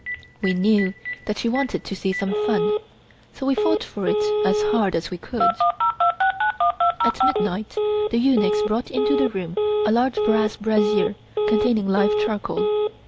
We knew that she wanted to see some fun, so we fought for it as hard as we could. At midnight the eunuchs brought into the room a large brass brazier containing live charcoal.